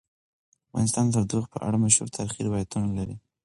افغانستان د تودوخه په اړه مشهور تاریخی روایتونه لري.